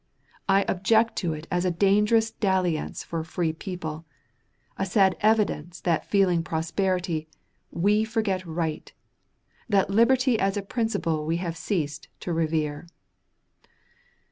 I object to it as a dangerous dalliance for a free people, a sad evidence that feeling prosperity, we forget right, that liberty as a principle we have ceased to revere.